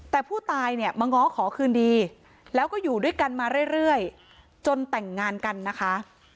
แต่ผู้ตายเนี่ยมาง้อขอคืนดีแล้วก็อยู่ด้วยกันมาเรื่อยจนแต่งงานกันนะคะ